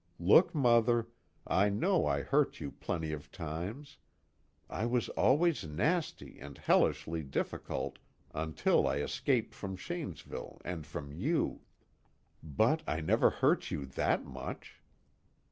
_Look, Mother: I know I hurt you plenty of times. I was always nasty and hellishly difficult until I escaped from Shanesville and from you but I never hurt you THAT much.